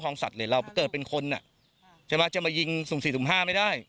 ของสัตว์เลยเป็นคนนะใช่ไหมจะมายิงสุ่มสี่สุ่มห้าไม่ได้